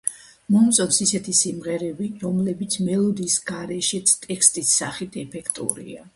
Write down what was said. მე მომწონს ისეთი სიმღერები, რომლებიც მელოდიის გარეშეც, ტექსტის სახით, ეფექტურია.